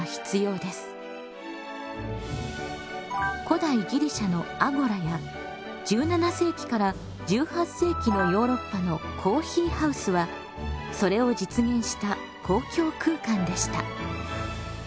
古代ギリシャのアゴラや１７世紀から１８世紀のヨーロッパのコーヒーハウスはそれを実現した公共空間でした。